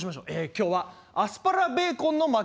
今日はアスパラベーコンの巻。